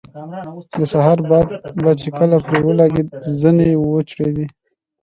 د سهار باد به چې کله پرې ولګېده زنې یې وړچېدې.